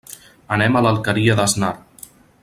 Anem a l'Alqueria d'Asnar.